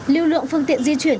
lưu lượng phương tiện di chuyển